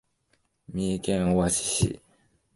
三重県尾鷲市